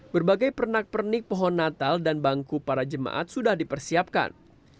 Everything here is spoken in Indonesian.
berbagai pernak pernik pohon natal dan bangku para jemaat sudah dipersiapkan